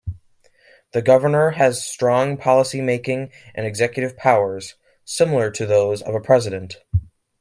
The governor has strong policymaking and executive powers similar to those of a president.